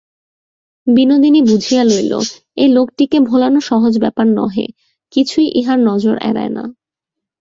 বিনোদিনী বুঝিয়া লইল, এ লোকটিকে ভোলানো সহজ ব্যাপার নহে–কিছুই ইহার নজর এড়ায় না।